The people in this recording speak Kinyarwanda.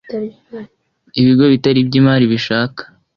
Ibigo bitari ibigo by imari bishaka